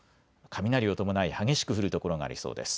雷を伴い激しく降る所がありそうです。